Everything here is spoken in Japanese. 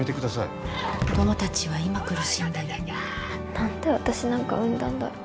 何で私なんか生んだんだろう。